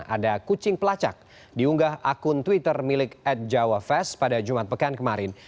ada kucing pelacak diunggah akun twitter milik at jawa fest pada jumat pekan kemarin